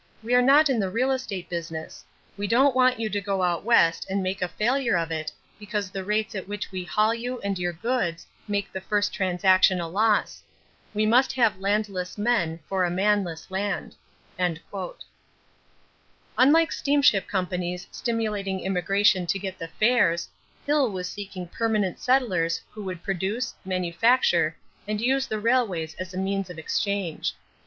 We are not in the real estate business. We don't want you to go out West and make a failure of it because the rates at which we haul you and your goods make the first transaction a loss.... We must have landless men for a manless land." Unlike steamship companies stimulating immigration to get the fares, Hill was seeking permanent settlers who would produce, manufacture, and use the railways as the means of exchange.